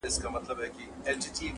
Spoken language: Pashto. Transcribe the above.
دا خلګ د دوي معامله داران ول.